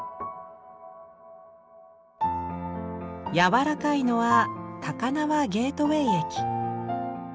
「やわらかい」のは高輪ゲートウェイ駅。